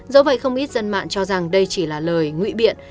dẫu vậy không ít dân mạng cho rằng đây chỉ là lời ngụy biện